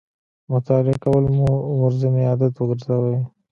مطالعه کول مو ورځنی عادت وګرځوئ